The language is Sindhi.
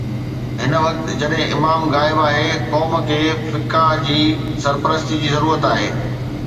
هن وقت جڏهن امام غائب آهن، قوم کي فقهاء جي سرپرستي جي ضرورت آهي.